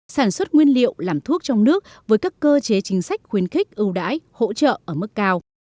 sản xuất nguyên liệu làm thuốc trong nước với các cơ chế chính sách khuyến khích ưu đãi hỗ trợ ở mức cao